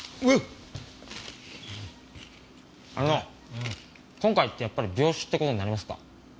あの今回ってやっぱり病死って事になりますか？